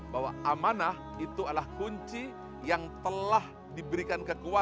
bahwa amanah itu adalah kunci yang telah diberikan kekuatan